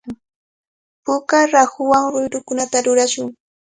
Puka raakuwan ruyrukunata rurashun.